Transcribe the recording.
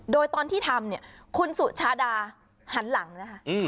โดยตอนที่ทำเนี่ยคุณสุชาดาหันหลังนะคะ